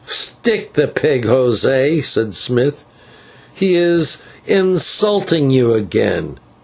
"Stick the pig, José," said Smith, "he is insulting you again.